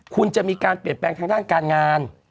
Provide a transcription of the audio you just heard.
คุณจะมีการเปลี่ยนแปลงทางด้านการงาน